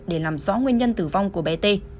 để làm rõ nguyên nhân tử vong của bé t